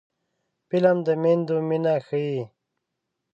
فلم د میندو مینه ښيي